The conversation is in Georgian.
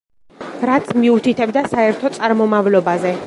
რაც მიუთითებდა საერთო წარმომავლობაზე.